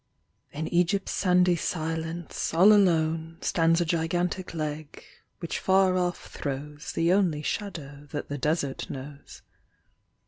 IN Egypt's sandy silence, all alone, Stands a gigantic Leg, which far off throws The only shadow that the Desert knows.